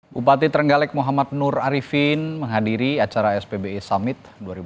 bupati trenggalek muhammad nur arifin menghadiri acara spbu summit dua ribu dua puluh